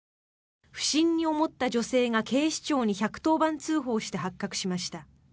不審に思った女性が警視庁に１１０番通報して発覚しました。